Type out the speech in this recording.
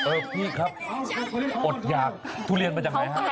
เออพี่ครับอดอยากทุเรียนมาจากแหม